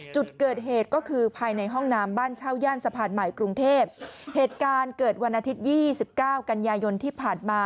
จุดเกิดเหตุก็คือภายในห้องน้ำบ้านเช่าย่านสะพานใหม่กรุงเทพฯ